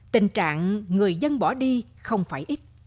tình trạng người dân bỏ đi không phải ít